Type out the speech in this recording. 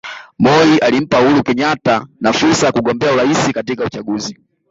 Moi alimpa Uhuru Kenyatta na fursa ya kugombea urais katika uchaguzi